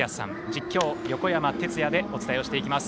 実況は横山哲也でお伝えをしていきます。